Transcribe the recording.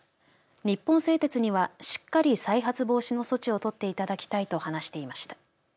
日本製鉄にはしっかり再発防止の措置を取っていただきたいと話していました。